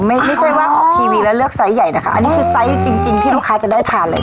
ไม่ใช่ว่าออกทีวีแล้วเลือกไซส์ใหญ่นะคะอันนี้คือไซส์จริงจริงที่ลูกค้าจะได้ทานเลย